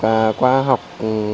phải qua học